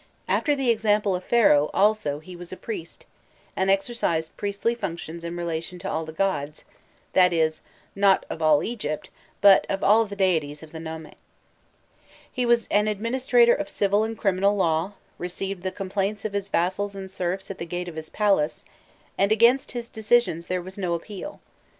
After the example of Pharaoh, also, he was a priest, and exercised priestly functions in relation to all the gods that is, not of all Egypt, but of all the deities of the nome. He was an administrator of civil and criminal law, received the complaints of his vassals and serfs at the gate of his palace, and against his decisions there was no appeal.